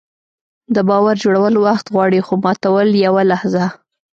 د باور جوړول وخت غواړي، خو ماتول یوه لحظه.